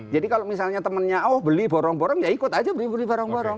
jadi kalau misalnya temennya oh beli borong borong ya ikut aja beli beli borong borong